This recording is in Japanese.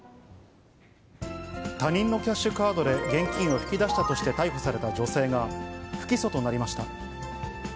他人のキャッシュカードで現金を引き出したとして逮捕された女性が、不起訴となりました。